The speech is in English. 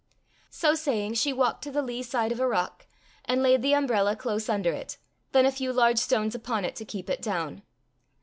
So saying she walked to the lee side of a rock, and laid the umbrella close under it, then a few large stones upon it to keep it down.